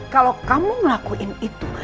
kalau kamu ngelakuin itu